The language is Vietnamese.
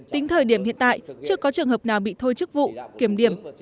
tính thời điểm hiện tại chưa có trường hợp nào bị thôi chức vụ kiểm điểm